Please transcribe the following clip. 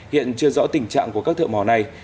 hiện chưa rõ tình trạng của các thợ mỏ này